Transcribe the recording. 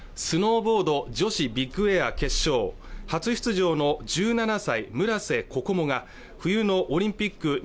スノーボード女子ビッグエア決勝初出場の１７歳村瀬心椛が冬のオリンピック